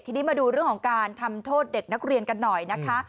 ทีนี้มาดูเรื่องของการทำโทษเด็กนักเรียนกันหน่อยนะคะ